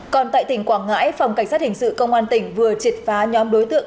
còn tại tỉnh quảng ngãi phòng cảnh sát hình sự công an tỉnh vừa triệt phá nhóm đối tượng